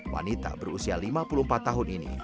wanita berusia lima puluh empat tahun ini